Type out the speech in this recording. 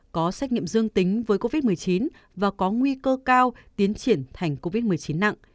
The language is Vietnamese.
có xét nghiệm dương tính với covid một mươi chín và có nguy cơ cao tiến triển thành covid một mươi chín nặng